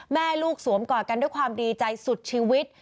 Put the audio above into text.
แม่ลูกสวมกอดกันด้วยความดีใจสุดชีวิต